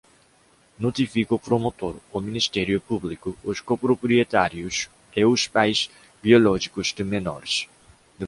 Notifique o promotor, o Ministério Público, os coproprietários e os pais biológicos de menores.